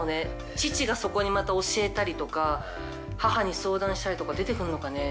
父がそこに教えたりとか母に相談したりとか出てくんのかね？